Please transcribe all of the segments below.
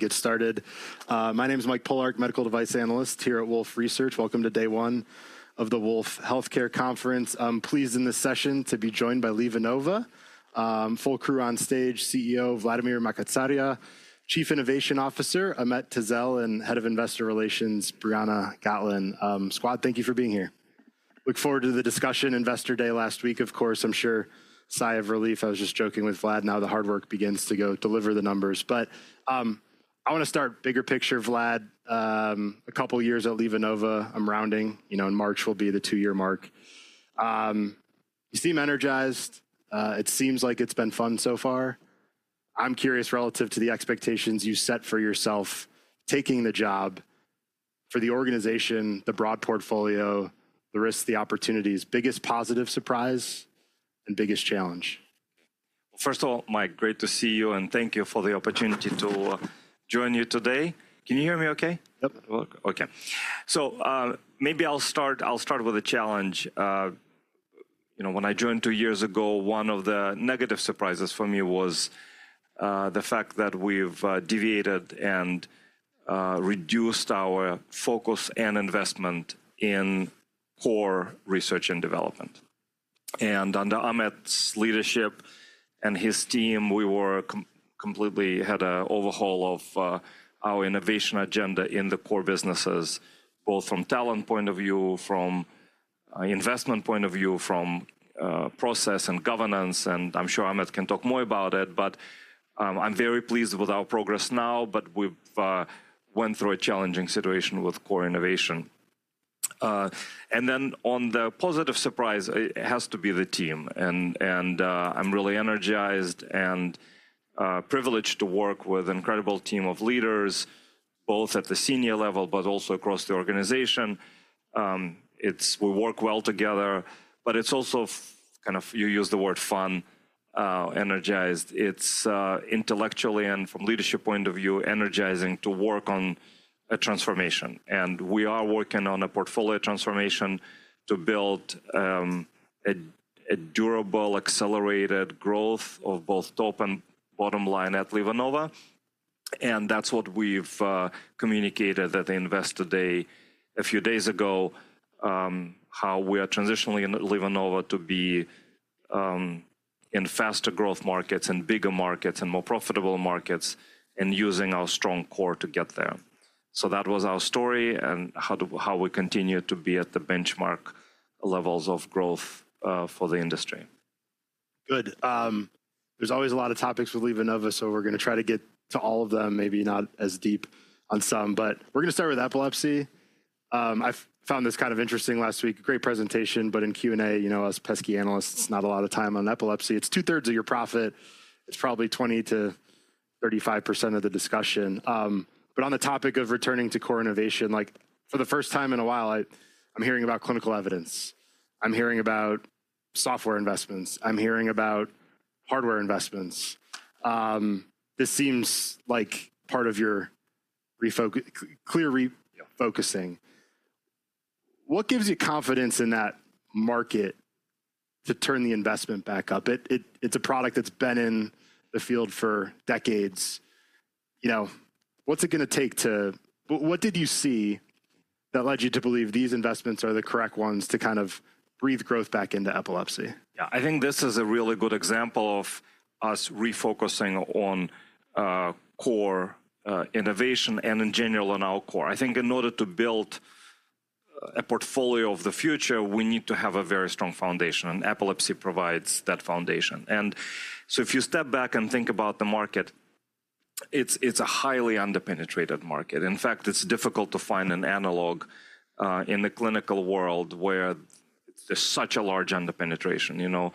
Get started. My name is Mike Pollard, Medical Device Analyst here at Wolf Research. Welcome to day one of the Wolf Healthcare Conference. I'm pleased in this session to be joined by LivaNova. Full crew on stage, CEO Vladimir Makatsaria, Chief Innovation Officer Ahmet Tezel, and Head of Investor Relations Brianna Gotlin. Squad, thank you for being here. Look forward to the discussion. Investor Day last week, of course, I'm sure sigh of relief. I was just joking with Vlad. Now the hard work begins to go deliver the numbers. I want to start bigger picture, Vlad. A couple of years at LivaNova, I'm rounding. You know, in March will be the two-year mark. You seem energized. It seems like it's been fun so far. I'm curious relative to the expectations you set for yourself taking the job for the organization, the broad portfolio, the risks, the opportunities. Biggest positive surprise and biggest challenge? First of all, Mike, great to see you, and thank you for the opportunity to join you today. Can you hear me okay? Yep. Okay. Maybe I'll start with a challenge. You know, when I joined two years ago, one of the negative surprises for me was the fact that we've deviated and reduced our focus and investment in core research and development. Under Ahmet's leadership and his team, we completely had an overhaul of our innovation agenda in the core businesses, both from a talent point of view, from an investment point of view, from process and governance. I'm sure Ahmet can talk more about it. I'm very pleased with our progress now, but we went through a challenging situation with core innovation. On the positive surprise, it has to be the team. I'm really energized and privileged to work with an incredible team of leaders, both at the senior level, but also across the organization. We work well together, but it's also kind of, you use the word fun, energized. It's intellectually and from a leadership point of view, energizing to work on a transformation. We are working on a portfolio transformation to build a durable, accelerated growth of both top and bottom line at LivaNova. That's what we've communicated at Investor Day a few days ago, how we are transitioning LivaNova to be in faster growth markets and bigger markets and more profitable markets and using our strong core to get there. That was our story and how we continue to be at the benchmark levels of growth for the industry. Good. There's always a lot of topics with LivaNova, so we're going to try to get to all of them, maybe not as deep on some. We're going to start with epilepsy. I found this kind of interesting last week. Great presentation, but in Q&A, you know, as pesky analysts, not a lot of time on epilepsy. It's two-thirds of your profit. It's probably 20–35% of the discussion. On the topic of returning to core innovation, like for the first time in a while, I'm hearing about clinical evidence. I'm hearing about software investments. I'm hearing about hardware investments. This seems like part of your clear refocusing. What gives you confidence in that market to turn the investment back up? It's a product that's been in the field for decades. You know, what's it going to take to, what did you see that led you to believe these investments are the correct ones to kind of breathe growth back into epilepsy? Yeah, I think this is a really good example of us refocusing on core innovation and in general on our core. I think in order to build a portfolio of the future, we need to have a very strong foundation. Epilepsy provides that foundation. If you step back and think about the market, it's a highly underpenetrated market. In fact, it's difficult to find an analog in the clinical world where there's such a large underpenetration. You know,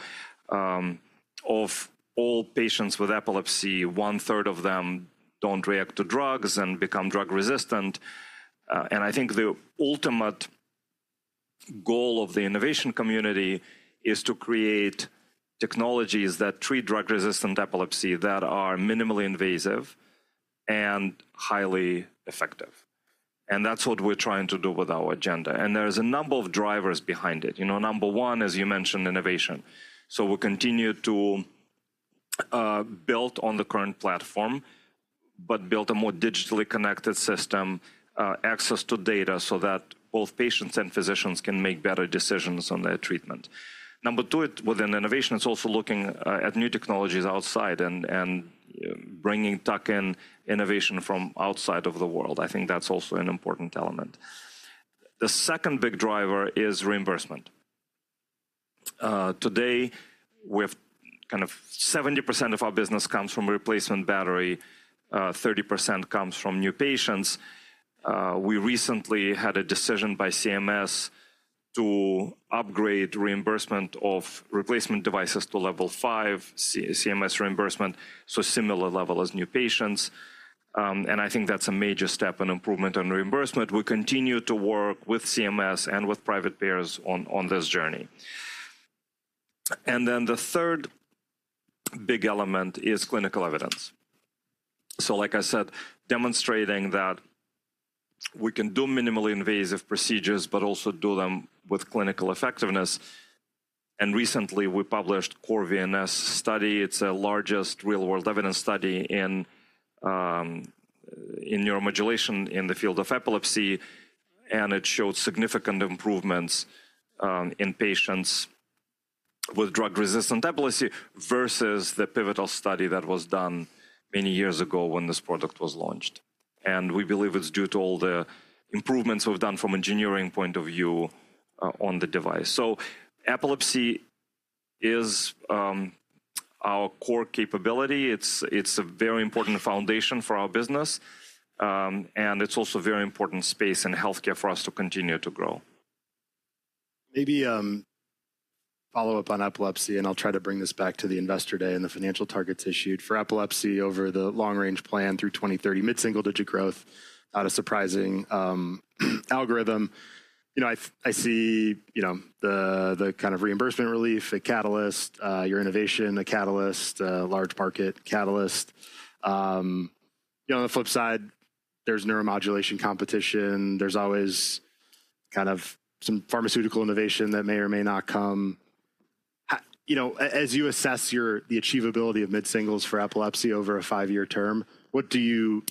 of all patients with epilepsy, one-third of them don't react to drugs and become drug resistant. I think the ultimate goal of the innovation community is to create technologies that treat drug-resistant epilepsy that are minimally invasive and highly effective. That's what we're trying to do with our agenda. There's a number of drivers behind it. Number one, as you mentioned, innovation. We continue to build on the current platform, but build a more digitally connected system, access to data so that both patients and physicians can make better decisions on their treatment. Number two, within innovation, it's also looking at new technologies outside and bringing innovation from outside of the world. I think that's also an important element. The second big driver is reimbursement. Today, we have kind of 70% of our business comes from replacement battery, 30% comes from new patients. We recently had a decision by CMS to upgrade reimbursement of replacement devices to Level Five, CMS reimbursement, so similar level as new patients. I think that's a major step in improvement on reimbursement. We continue to work with CMS and with private payers on this journey. The third big element is clinical evidence. Like I said, demonstrating that we can do minimally invasive procedures, but also do them with clinical effectiveness. Recently, we published CoreVNS study. It's the largest real-world evidence study in neuromodulation in the field of epilepsy. It showed significant improvements in patients with drug-resistant epilepsy versus the pivotal study that was done many years ago when this product was launched. We believe it's due to all the improvements we've done from an engineering point of view on the device. Epilepsy is our core capability. It's a very important foundation for our business. It's also a very important space in healthcare for us to continue to grow. Maybe follow up on epilepsy, and I'll try to bring this back to the Investor Day and the financial targets issued for epilepsy over the long-range plan through 2030, mid-single-digit growth, not a surprising algorithm. You know, I see, you know, the kind of reimbursement relief, a catalyst, your innovation, a catalyst, a large market catalyst. You know, on the flip side, there's neuromodulation competition. There's always kind of some pharmaceutical innovation that may or may not come. You know, as you assess the achievability of mid-singles for epilepsy over a five-year term, what do you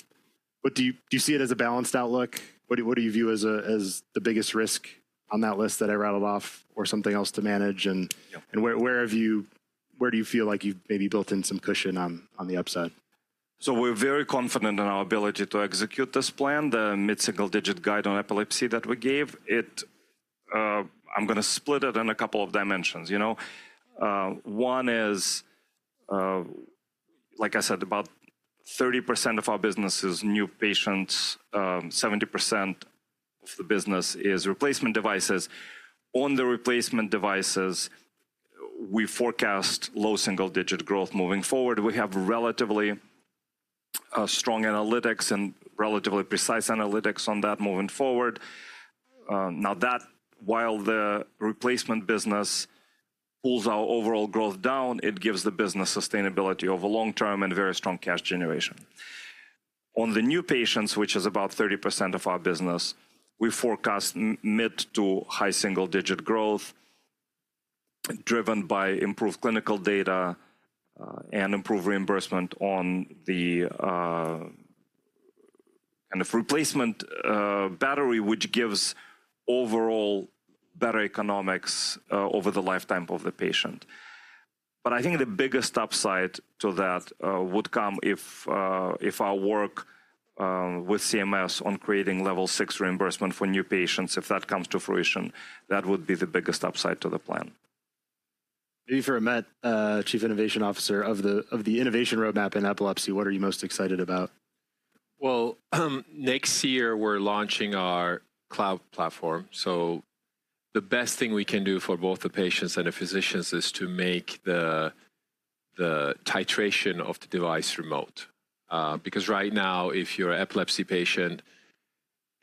see it as a balanced outlook? What do you view as the biggest risk on that list that I rattled off or something else to manage? And where do you feel like you've maybe built in some cushion on the upside? We're very confident in our ability to execute this plan, the mid-single-digit guide on epilepsy that we gave. I'm going to split it in a couple of dimensions. You know, one is, like I said, about 30% of our business is new patients. 70% of the business is replacement devices. On the replacement devices, we forecast low single-digit growth moving forward. We have relatively strong analytics and relatively precise analytics on that moving forward. Now, while the replacement business pulls our overall growth down, it gives the business sustainability over the long term and very strong cash generation. On the new patients, which is about 30% of our business, we forecast mid to high single-digit growth driven by improved clinical data and improved reimbursement on the kind of replacement battery, which gives overall better economics over the lifetime of the patient. I think the biggest upside to that would come if our work with CMS on creating Level Six Reimbursement for new patients, if that comes to fruition, that would be the biggest upside to the plan. Maybe for Ahmet, Chief Innovation Officer, of the innovation roadmap in epilepsy, what are you most excited about? Next year, we're launching our cloud platform. The best thing we can do for both the patients and the physicians is to make the titration of the device remote. Because right now, if you're an epilepsy patient,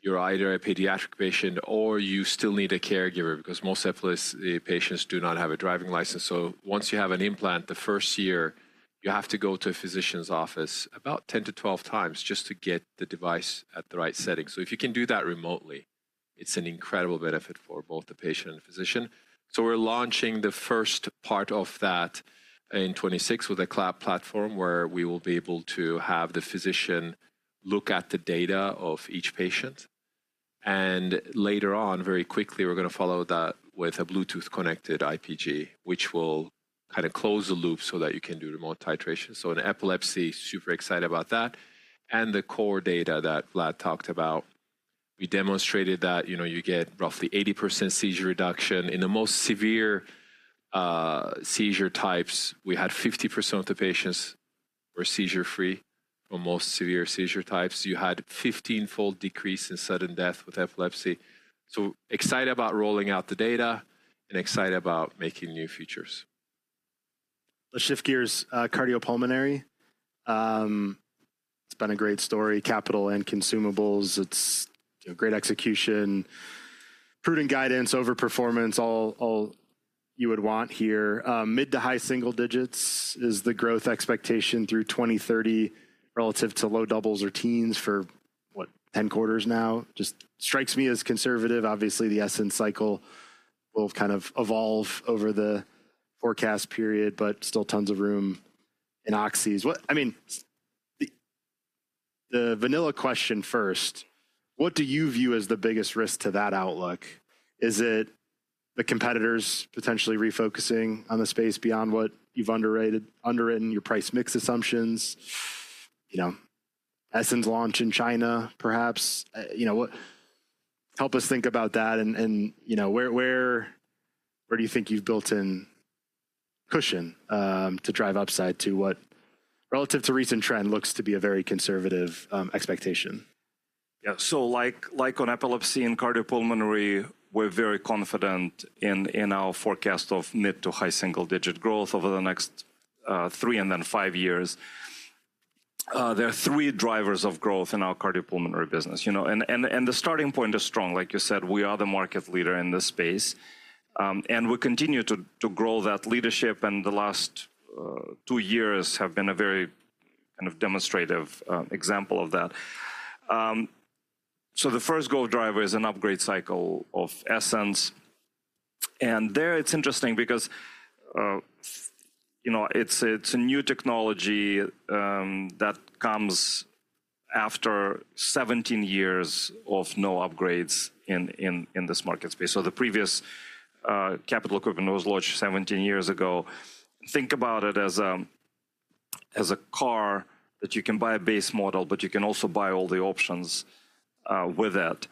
you're either a pediatric patient or you still need a caregiver because most epilepsy patients do not have a driving license. Once you have an implant, the first year, you have to go to a physician's office about 10 to 12 times just to get the device at the right setting. If you can do that remotely, it's an incredible benefit for both the patient and physician. We're launching the first part of that in 2026 with a cloud platform where we will be able to have the physician look at the data of each patient. Later on, very quickly, we're going to follow that with a Bluetooth-connected IPG, which will kind of close the loop so that you can do remote titration. In epilepsy, super excited about that. The core data that Vlad talked about, we demonstrated that, you know, you get roughly 80% seizure reduction. In the most severe seizure types, we had 50% of the patients were seizure-free from most severe seizure types. You had a 15-fold decrease in sudden death with epilepsy. Excited about rolling out the data and excited about making new features. Let's shift gears, cardiopulmonary. It's been a great story, capital and consumables. It's great execution, prudent guidance, overperformance, all you would want here. Mid to high single digits is the growth expectation through 2030 relative to low doubles or teens for, what, 10 quarters now? Just strikes me as conservative. Obviously, the SN cycle will kind of evolve over the forecast period, but still tons of room in oxys. I mean, the vanilla question first, what do you view as the biggest risk to that outlook? Is it the competitors potentially refocusing on the space beyond what you've underwritten your price mix assumptions? You know, SN's launch in China, perhaps. You know, help us think about that. You know, where do you think you've built in cushion to drive upside to what relative to recent trend looks to be a very conservative expectation? Yeah, so like on epilepsy and cardiopulmonary, we're very confident in our forecast of mid to high single-digit growth over the next three and then five years. There are three drivers of growth in our cardiopulmonary business. You know, and the starting point is strong. Like you said, we are the market leader in this space. We continue to grow that leadership. The last two years have been a very kind of demonstrative example of that. The first growth driver is an upgrade cycle of SNs. There, it's interesting because, you know, it's a new technology that comes after 17 years of no upgrades in this market space. The previous capital equipment was launched 17 years ago. Think about it as a car that you can buy a base model, but you can also buy all the options with it.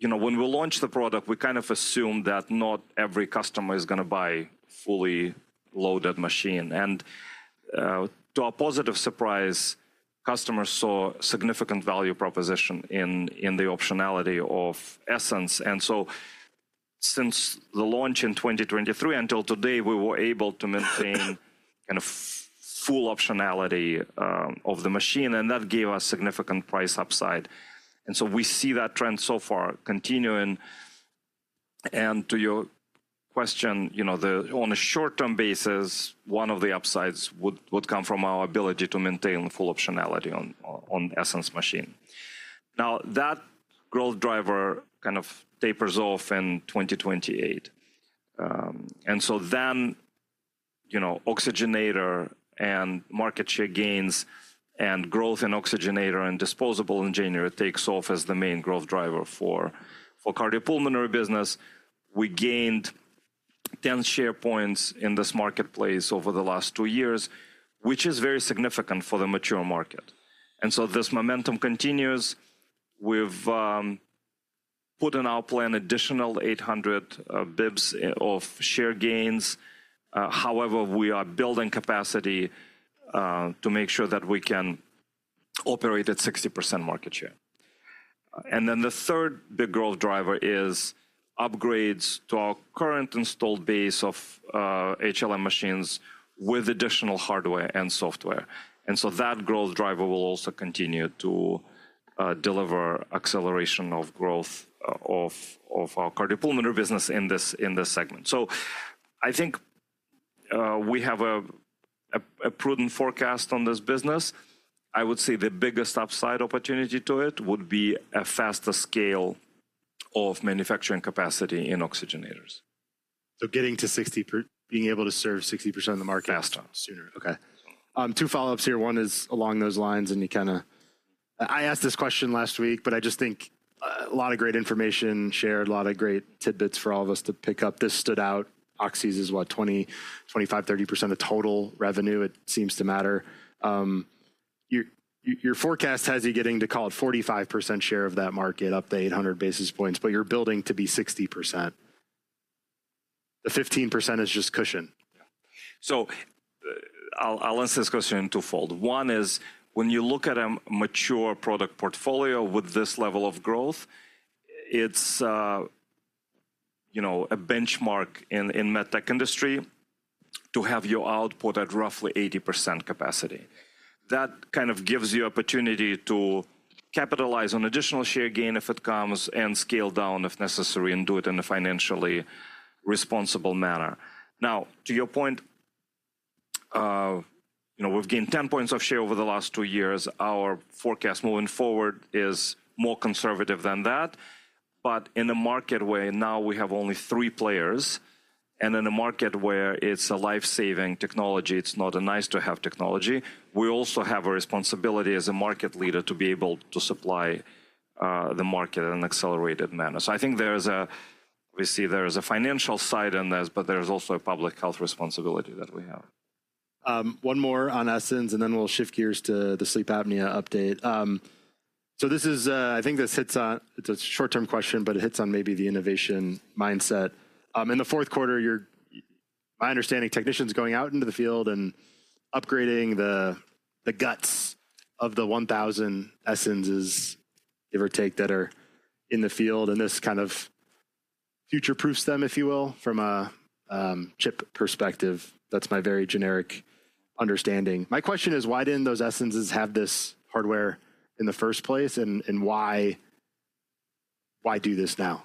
You know, when we launched the product, we kind of assumed that not every customer is going to buy a fully loaded machine. To our positive surprise, customers saw significant value proposition in the optionality of SNs. Since the launch in 2023 until today, we were able to maintain kind of full optionality of the machine. That gave us significant price upside. We see that trend so far continuing. To your question, you know, on a short-term basis, one of the upsides would come from our ability to maintain full optionality on SNs machine. That growth driver kind of tapers off in 2028. Then, you know, oxygenator and market share gains and growth in oxygenator and disposable engineer takes off as the main growth driver for cardiopulmonary business. We gained 10 share points in this marketplace over the last two years, which is very significant for the mature market. This momentum continues. We've put in our plan additional 800 basis points of share gains. However, we are building capacity to make sure that we can operate at 60% market share. The third big growth driver is upgrades to our current installed base of HLM machines with additional hardware and software. That growth driver will also continue to deliver acceleration of growth of our cardiopulmonary business in this segment. I think we have a prudent forecast on this business. I would say the biggest upside opportunity to it would be a faster scale of manufacturing capacity in oxygenators. Getting to 60, being able to serve 60% of the market faster, sooner. Okay. Two follow-ups here. One is along those lines and you kind of, I asked this question last week, but I just think a lot of great information shared, a lot of great tidbits for all of us to pick up. This stood out. Oxys is what, 20-25-30% of total revenue. It seems to matter. Your forecast has you getting to, call it, 45% share of that market, up to 800 basis points, but you are building to be 60%. The 15% is just cushion. Yeah. I'll answer this question in twofold. One is when you look at a mature product portfolio with this level of growth, it's, you know, a benchmark in MedTech industry to have your output at roughly 80% capacity. That kind of gives you opportunity to capitalize on additional share gain if it comes and scale down if necessary and do it in a financially responsible manner. Now, to your point, you know, we've gained 10 percentage points of share over the last two years. Our forecast moving forward is more conservative than that. In a market where now we have only three players and in a market where it's a life-saving technology, it's not a nice-to-have technology, we also have a responsibility as a market leader to be able to supply the market in an accelerated manner. I think there's a, obviously, there's a financial side in this, but there's also a public health responsibility that we have. One more on SNs, and then we'll shift gears to the sleep apnea update. This is, I think this hits on, it's a short-term question, but it hits on maybe the innovation mindset. In the fourth quarter, my understanding, technicians going out into the field and upgrading the guts of the 1,000 SNs, give or take, that are in the field, and this kind of future-proofs them, if you will, from a chip perspective. That's my very generic understanding. My question is, why didn't those SNs have this hardware in the first place? Why do this now?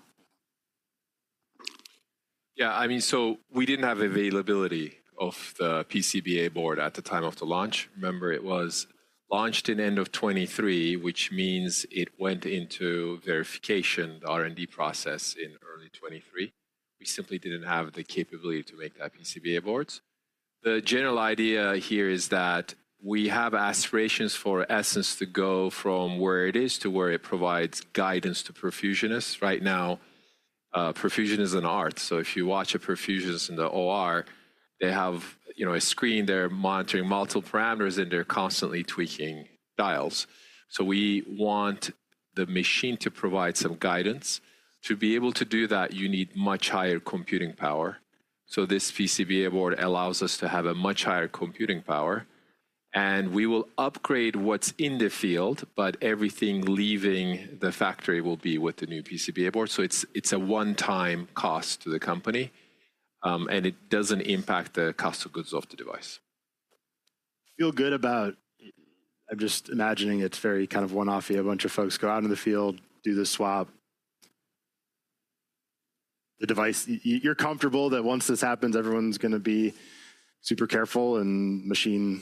Yeah, I mean, so we didn't have availability of the PCBA board at the time of the launch. Remember, it was launched in the end of 2023, which means it went into verification, the R&D process in early 2023. We simply didn't have the capability to make that PCBA board. The general idea here is that we have aspirations for SNs to go from where it is to where it provides guidance to perfusionists. Right now, perfusion is an art. If you watch a perfusionist in the OR, they have, you know, a screen, they're monitoring multiple parameters, and they're constantly tweaking dials. We want the machine to provide some guidance. To be able to do that, you need much higher computing power. This PCBA board allows us to have a much higher computing power. We will upgrade what's in the field, but everything leaving the factory will be with the new PCBA board. It is a one-time cost to the company. It does not impact the cost of goods of the device. Feel good about, I'm just imagining it's very kind of one-off. You have a bunch of folks go out in the field, do the swap. The device, you're comfortable that once this happens, everyone's going to be super careful and the machine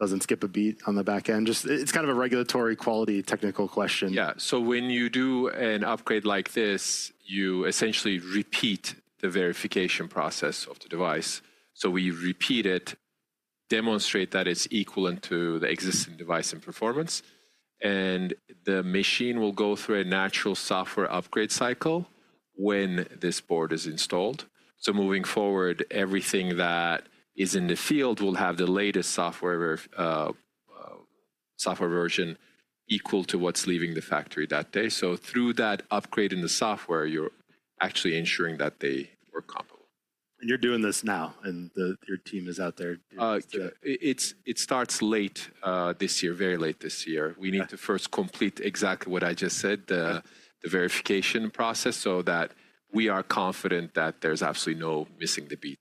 doesn't skip a beat on the back end. Just, it's kind of a regulatory quality technical question. Yeah. When you do an upgrade like this, you essentially repeat the verification process of the device. We repeat it, demonstrate that it's equal to the existing device in performance. The machine will go through a natural software upgrade cycle when this board is installed. Moving forward, everything that is in the field will have the latest software version equal to what's leaving the factory that day. Through that upgrade in the software, you're actually ensuring that they work comparable. You are doing this now and your team is out there. It starts late this year, very late this year. We need to first complete exactly what I just said, the verification process, so that we are confident that there's absolutely no missing the beat,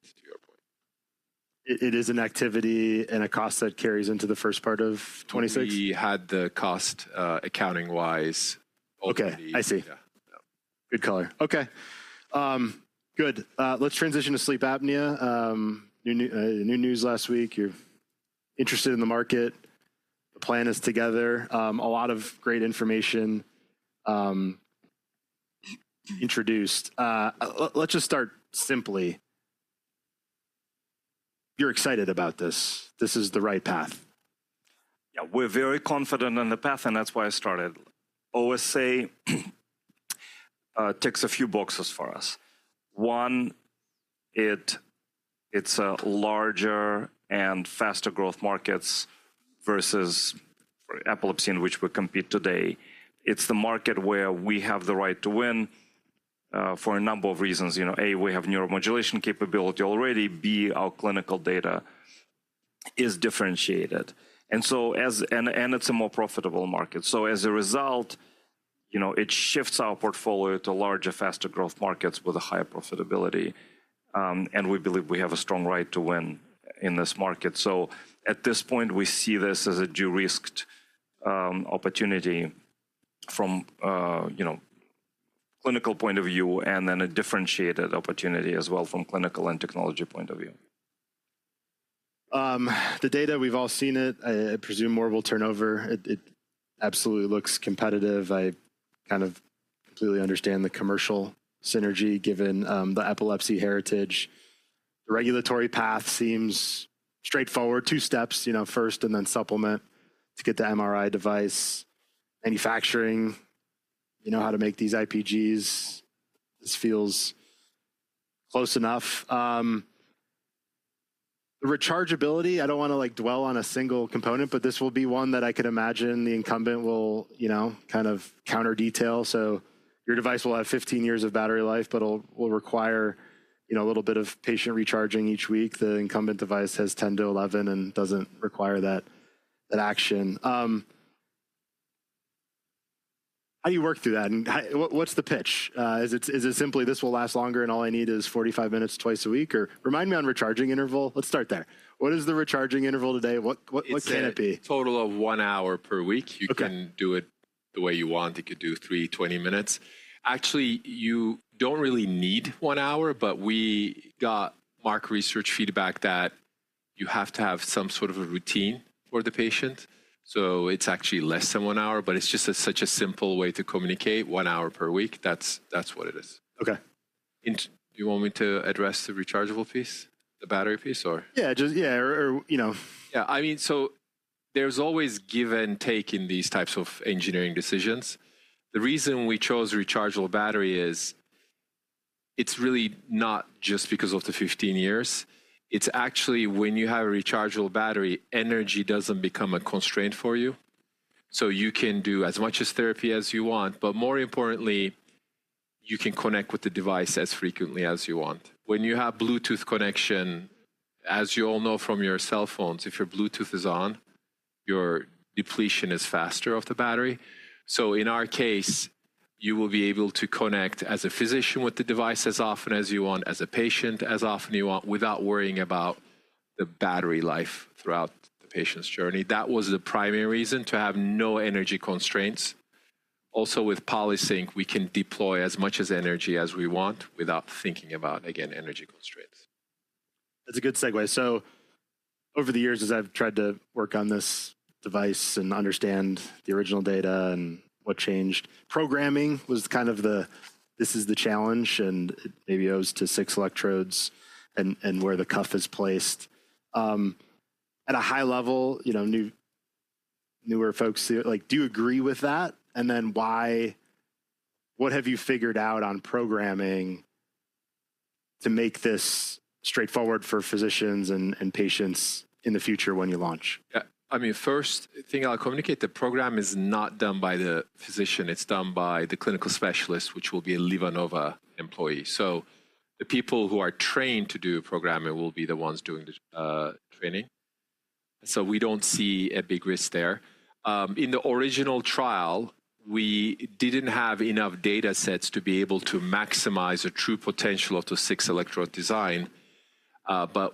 to your point. It is an activity and a cost that carries into the first part of 2026. We had the cost accounting-wise. Okay, I see. Good color. Okay. Good. Let's transition to sleep apnea. New news last week. You're interested in the market. The plan is together. A lot of great information introduced. Let's just start simply. You're excited about this. This is the right path. Yeah, we're very confident on the path and that's why I started. I always say it ticks a few boxes for us. One, it's a larger and faster growth markets versus for epilepsy, in which we compete today. It's the market where we have the right to win for a number of reasons. You know, A, we have neuromodulation capability already. B, our clinical data is differentiated. And as, and it's a more profitable market. As a result, you know, it shifts our portfolio to larger, faster growth markets with a higher profitability. We believe we have a strong right to win in this market. At this point, we see this as a de-risked opportunity from, you know, clinical point of view and then a differentiated opportunity as well from clinical and technology point of view. The data, we've all seen it. I presume more will turn over. It absolutely looks competitive. I kind of completely understand the commercial synergy given the epilepsy heritage. The regulatory path seems straightforward, two steps, you know, first and then supplement to get the MRI device. Manufacturing, you know, how to make these IPGs. This feels close enough. The rechargeability, I don't want to like dwell on a single component, but this will be one that I could imagine the incumbent will, you know, kind of counter detail. So your device will have 15 years of battery life, but it will require, you know, a little bit of patient recharging each week. The incumbent device has 10-11 and doesn't require that action. How do you work through that? And what's the pitch? Is it simply, this will last longer and all I need is 45 minutes twice a week? Or remind me on recharging interval. Let's start there. What is the recharging interval today? What can it be? It's a total of one hour per week. You can do it the way you want. You could do three, 20 minutes. Actually, you don't really need one hour, but we got market research feedback that you have to have some sort of a routine for the patient. So it's actually less than one hour, but it's just such a simple way to communicate one hour per week. That's what it is. Okay. Do you want me to address the rechargeable piece, the battery piece, or? Yeah, just, yeah, or, you know. Yeah, I mean, so there's always give and take in these types of engineering decisions. The reason we chose rechargeable battery is it's really not just because of the 15 years. It's actually when you have a rechargeable battery, energy doesn't become a constraint for you. You can do as much therapy as you want, but more importantly, you can connect with the device as frequently as you want. When you have Bluetooth connection, as you all know from your cell phones, if your Bluetooth is on, your depletion is faster of the battery. In our case, you will be able to connect as a physician with the device as often as you want, as a patient as often you want, without worrying about the battery life throughout the patient's journey. That was the primary reason to have no energy constraints. Also with Polysync, we can deploy as much energy as we want without thinking about, again, energy constraints. That's a good segue. Over the years, as I've tried to work on this device and understand the original data and what changed, programming was kind of the, this is the challenge and maybe it goes to six electrodes and where the cuff is placed. At a high level, you know, newer folks here, like, do you agree with that? Then why, what have you figured out on programming to make this straightforward for physicians and patients in the future when you launch? Yeah, I mean, first thing I'll communicate, the program is not done by the physician. It's done by the clinical specialist, which will be a LivaNova employee. So the people who are trained to do programming will be the ones doing the training. We don't see a big risk there. In the original trial, we didn't have enough data sets to be able to maximize a true potential of the six electrode design.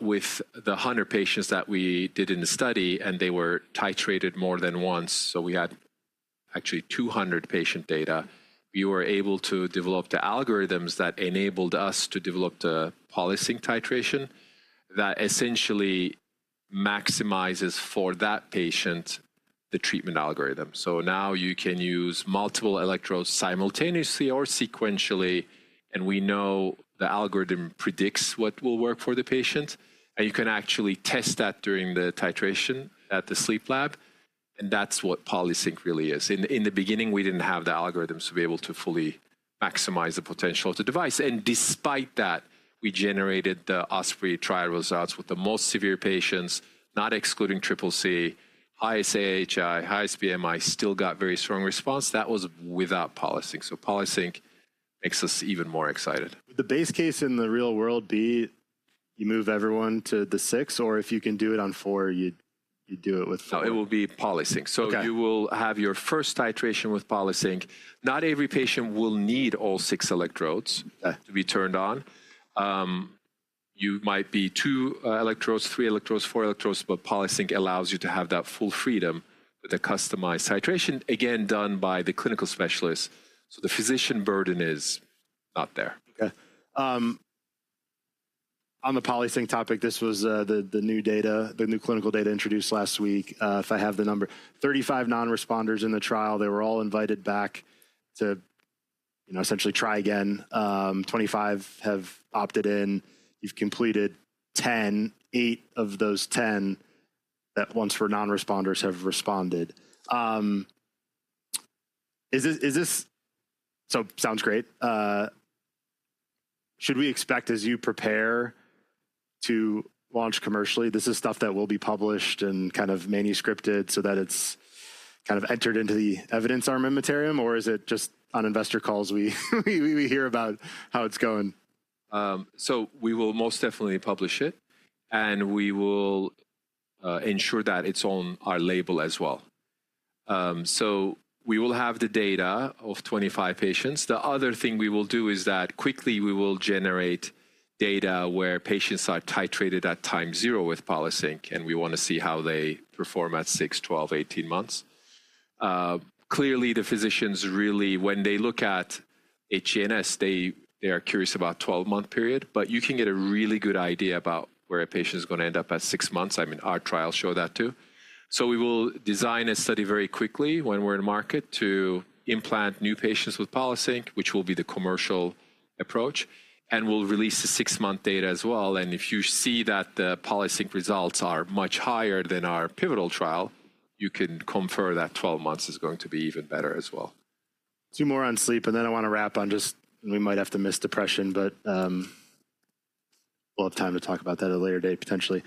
With the 100 patients that we did in the study, and they were titrated more than once, so we had actually 200 patient data, we were able to develop the algorithms that enabled us to develop the Polysync titration that essentially maximizes for that patient the treatment algorithm. Now you can use multiple electrodes simultaneously or sequentially, and we know the algorithm predicts what will work for the patient. You can actually test that during the titration at the sleep lab. That is what Polysync really is. In the beginning, we did not have the algorithms to be able to fully maximize the potential of the device. Despite that, we generated the OSPREY trial results with the most severe patients, not excluding Triple C, highest AHI, highest BMI, still got very strong response. That was without Polysync. Polysync makes us even more excited. Would the base case in the real world be you move everyone to the six? Or if you can do it on four, you do it with four? No, it will be Polysync. You will have your first titration with Polysync. Not every patient will need all six electrodes to be turned on. You might be two electrodes, three electrodes, four electrodes, but Polysync allows you to have that full freedom with a customized titration, again, done by the clinical specialist. The physician burden is not there. Okay. On the Polysync topic, this was the new data, the new clinical data introduced last week. If I have the number, 35 non-responders in the trial, they were all invited back to, you know, essentially try again. 25 have opted in. You've completed 10, eight of those 10 that once were non-responders have responded. Is this, so sounds great. Should we expect as you prepare to launch commercially, this is stuff that will be published and kind of manuscripted so that it's kind of entered into the evidence armamentarium? Or is it just on investor calls we hear about how it's going? We will most definitely publish it. We will ensure that it's on our label as well. We will have the data of 25 patients. The other thing we will do is that quickly we will generate data where patients are titrated at time zero with Polysync, and we want to see how they perform at 6, 12, 18 months. Clearly, the physicians really, when they look at HENS, they are curious about the 12-month period, but you can get a really good idea about where a patient is going to end up at six months. I mean, our trials show that too. We will design a study very quickly when we're in market to implant new patients with Polysync, which will be the commercial approach. We'll release the six-month data as well. If you see that the Polysync results are much higher than our pivotal trial, you can confer that 12 months is going to be even better as well. Two more on sleep, and then I want to wrap on just, and we might have to miss depression, but we'll have time to talk about that at a later date potentially.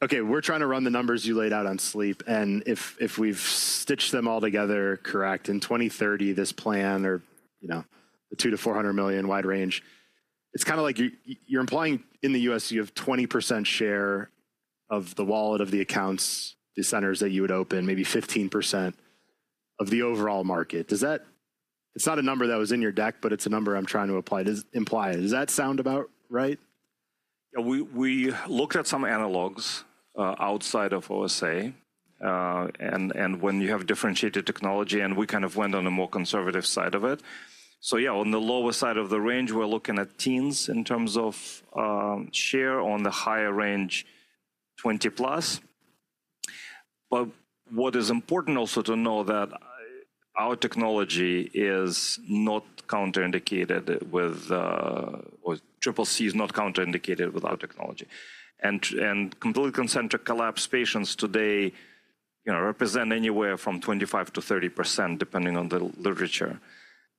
Okay, we're trying to run the numbers you laid out on sleep, and if we've stitched them all together correct, in 2030, this plan or, you know, the $200 million–$400 million wide range, it's kind of like you're implying in the U.S. you have 20% share of the wallet of the accounts, the centers that you would open, maybe 15% of the overall market. Does that, it's not a number that was in your deck, but it's a number I'm trying to apply to imply. Does that sound about right? Yeah, we looked at some analogs outside of OSA. And when you have differentiated technology, and we kind of went on the more conservative side of it. So yeah, on the lower side of the range, we're looking at teens in terms of share on the higher range, 20+. But what is important also to know that our technology is not contraindicated with, or Triple C is not contraindicated with our technology. And completely concentric collapse patients today, you know, represent anywhere from 25%–30% depending on the literature.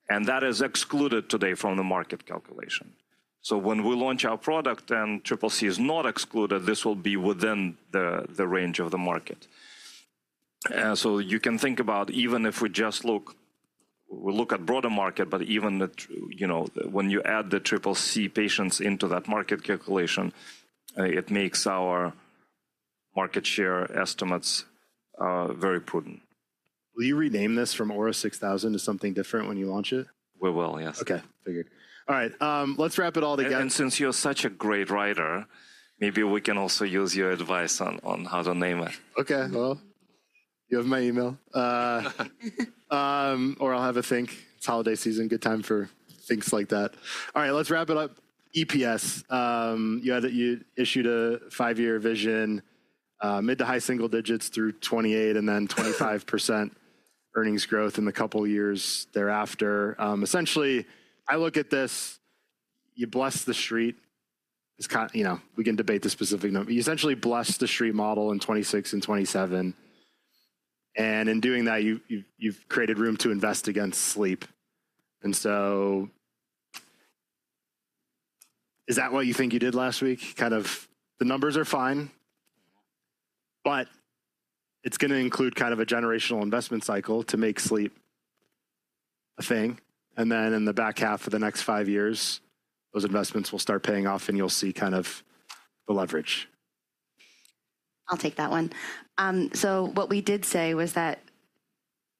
And that is excluded today from the market calculation. So when we launch our product and Triple C is not excluded, this will be within the range of the market. You can think about even if we just look, we look at broader market, but even that, you know, when you add the Triple C patients into that market calculation, it makes our market share estimates very prudent. Will you rename this from Aura-6000 to something different when you launch it? We will, yes. Okay, figured. All right, let's wrap it all together. Since you're such a great writer, maybe we can also use your advice on how to name it. Okay, you have my email. I'll have a think. It's holiday season, good time for things like that. All right, let's wrap it up. EPS, you had, you issued a five-year vision, mid to high single digits through 2028 and then 25% earnings growth in the couple years thereafter. Essentially, I look at this, you bless the street. It's kind of, you know, we can debate the specific number. You essentially bless the street model in 2026 and 2027. In doing that, you've created room to invest against sleep. Is that what you think you did last week? Kind of the numbers are fine. It's going to include kind of a generational investment cycle to make sleep a thing. In the back half of the next five years, those investments will start paying off and you'll see kind of the leverage. I'll take that one. What we did say was that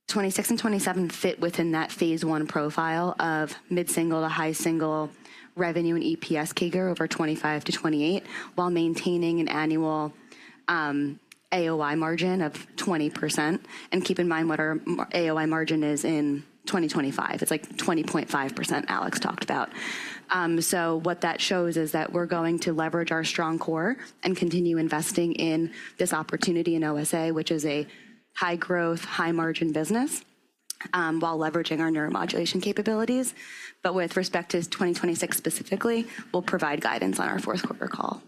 2026 and 2027 fit within that phase one profile of mid single to high single revenue and EPS CAGR over 2025–2028 while maintaining an annual AOI Margin of 20%. Keep in mind what our AOI Margin is in 2025. It's like 20.5% Alex talked about. What that shows is that we're going to leverage our strong core and continue investing in this opportunity in OSA, which is a high growth, high margin business while leveraging our neuromodulation capabilities. With respect to 2026 specifically, we'll provide guidance on our fourth quarter call.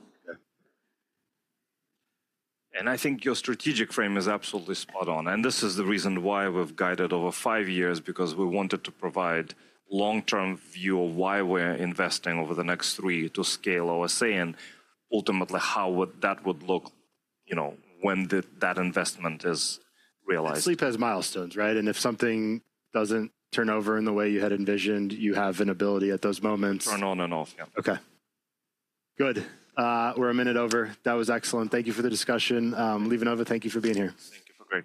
I think your strategic frame is absolutely spot on. This is the reason why we've guided over five years because we wanted to provide a long-term view of why we're investing over the next three to scale OSA and ultimately how that would look, you know, when that investment is realized. Sleep has milestones, right? If something doesn't turn over in the way you had envisioned, you have an ability at those moments. Turn on and off, yeah. Okay. Good. We're a minute over. That was excellent. Thank you for the discussion. LivaNova, thank you for being here. Thank you for the great.